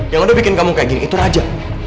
yang udah bikin kamu kayak gini itu raja